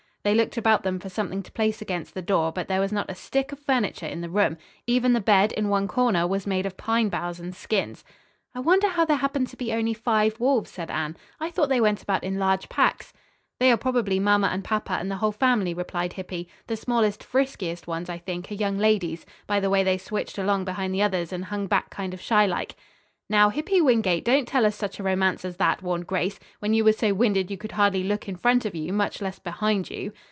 They looked about them for something to place against the door, but there was not a stick of furniture in the room. Even the bed, in one corner, was made of pine boughs and skins. "I wonder how there happens to be only five wolves," said Anne. "I thought they went about in large packs." "They are probably mama and papa and the whole family," replied Hippy. "The smallest, friskiest ones, I think, are young ladies, by the way they switched along behind the others and hung back kind of shy like." "Now, Hippy Wingate, don't tell us such a romance as that," warned Grace, "when you were so winded you could hardly look in front of you, much less behind you."